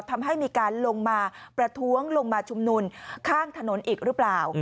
ทำให้มีการลงมาประท้วงลงมาชุมนุมข้างถนนอีกหรือเปล่า